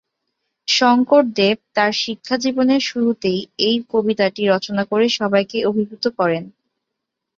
শঙ্কর দেব তাঁর শিক্ষা জীবনের শুরুতেই এই কবিতাটি রচনা করে সবাইকে অভিভূত করেন।